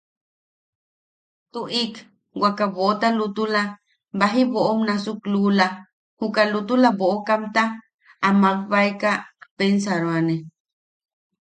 Tuʼik waka boʼota lutula, baji boʼom nasuk luula, juka lutula boʼokamta a makbaeka a pensaroane.